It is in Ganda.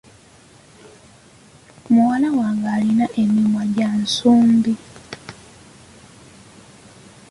Muwala wange alina emimwa gya nsumbi.